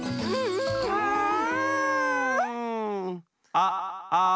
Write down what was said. ああ。